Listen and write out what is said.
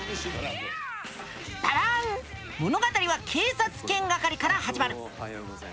物語は警察犬係から始まる。